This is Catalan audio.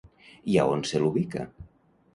I a on se l'ubica?